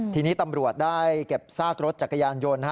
ทีนี้ตำรวจได้เก็บซากรถจักรยานยนต์